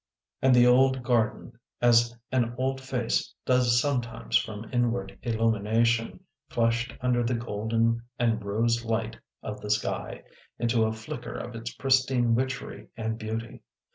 ^And the old garden, as an old face does sometimes from inward illumination, flushed under the golden and rose light of the sky, into a flicker of its pristine witchery and beauty.